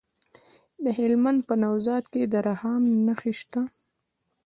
د هلمند په نوزاد کې د رخام نښې شته.